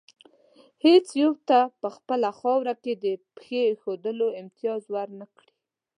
هېڅ یو ته په خپله خاوره کې د پښې ایښودلو امتیاز ور نه کړي.